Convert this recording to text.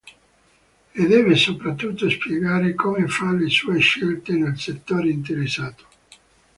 E deve soprattutto spiegare come fa le sue scelte nel settore interessato.